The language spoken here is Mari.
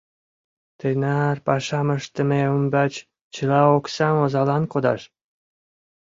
Тынар пашам ыштыме ӱмбач чыла оксам озалан кодаш!